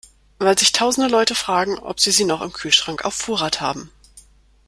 Weil sich tausende Leute fragen, ob sie sie noch im Kühlschrank auf Vorrat haben.